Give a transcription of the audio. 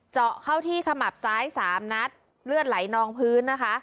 เจาะเข้าที่ขมับซ้าย๓นัดเลือดไหลนองพื้นนะคะ